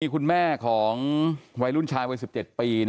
คุณแม่ของวัยรุ่นชายวัย๑๗ปี